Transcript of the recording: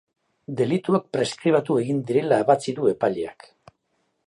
Delituak preskribatu egin direla ebatzi du epaileak.